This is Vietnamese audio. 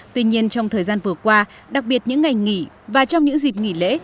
tuy nhiên trong thời gian vừa qua đặc biệt những ngày nghỉ và trong những dịp nghỉ lễ